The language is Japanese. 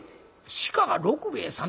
「鹿が六兵衛さん？」。